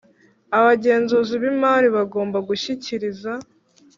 Abagenzuzi b imari bagomba gushyikiriza